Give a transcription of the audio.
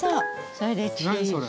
それでチーズ。